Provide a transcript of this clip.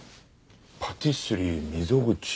「パティスリー溝口」。